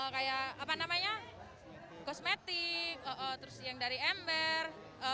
kayak kosmetik yang dari ember